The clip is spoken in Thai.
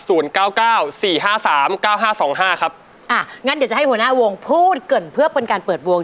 เก้าเก้าสี่ห้าสามเก้าห้าสองห้าครับอ่างั้นเดี๋ยวจะให้หัวหน้าวงพูดเกิดเพื่อเป็นการเปิดวง